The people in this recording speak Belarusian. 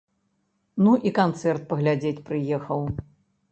Ну і канцэрт паглядзець прыехаў.